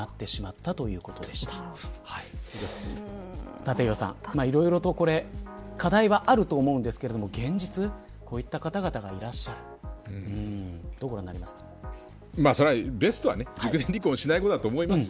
立岩さん、いろいろと課題はあると思うんですけれども現実こういった方々がいらっしゃるそれはベストは熟年離婚しないことだと思いますよ。